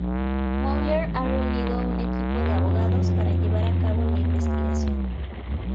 Mueller ha reunido un equipo de abogados para llevar a cabo la investigación.